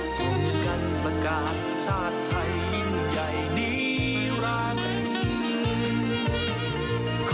ส่งกันประการชาติไทยยิ่งใหญ่ดีรัก